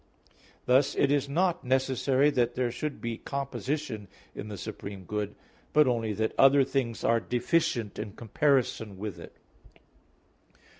Thus it is not necessary that there should be composition in the supreme good, but only that other things are deficient in comparison with it.